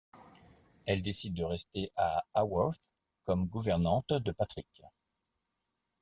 Elle décide de rester à Haworth comme gouvernante de Patrick.